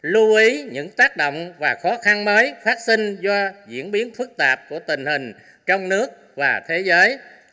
lưu ý những tác động và khó khăn mới phát sinh do diễn biến phức tạp của tình hình trong nước và thế giới